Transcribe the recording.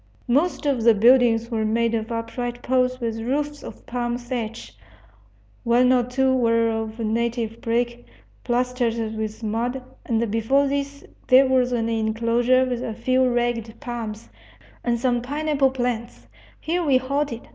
Most of the buildings were made of upright poles with roofs of palm thatch. One or two were of native brick, plastered with mud, and before these there was an enclosure with a few ragged palms, and some pineapple plants. Here we halted.